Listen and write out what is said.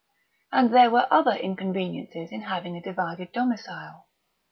And there were other inconveniences in having a divided domicile.